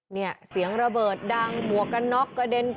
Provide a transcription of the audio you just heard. เนี่ยเสียงระเบิดดังหมวกกันน็อกกระเด็น